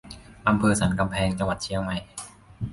อำเภอสันกำแพง จังหวัดเชียงใหม่